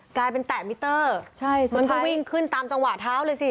กลายเป็นแตะมิเตอร์มันก็วิ่งขึ้นตามจังหวะเท้าเลยสิ